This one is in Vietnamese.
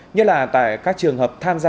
như là tại các trường hợp tham gia